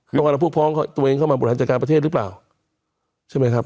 ต้องการเอาพวกพ้องตัวเองเข้ามาบริหารจัดการประเทศหรือเปล่าใช่ไหมครับ